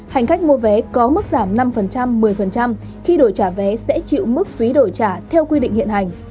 hành khách mua vé có mức giảm năm một mươi khi đổi trả vé sẽ chịu mức phí đổi trả theo quy định hiện hành